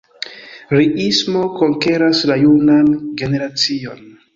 Riismo konkeras la junan generacion.